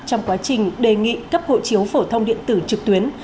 trong quá trình đề nghị cấp hộ chiếu phổ thông điện tử trực tuyến